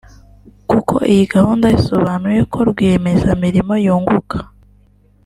kuko iyi gahunda isobanuye ko Rwiyemezamirimo yunguka